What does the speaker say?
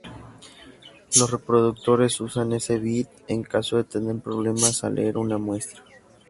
Los reproductores usan este bit en caso de tener problemas al leer una muestra.